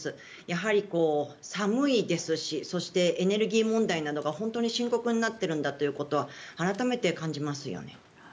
やはり、寒いですしそしてエネルギー問題などが本当に深刻になってるんだってことは改めて感じますよね。